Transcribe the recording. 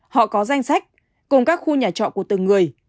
họ có danh sách cùng các khu nhà trọ của từng người